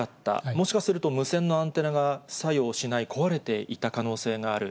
もしかすると、無線のアンテナが作用しない、壊れていた可能性がある。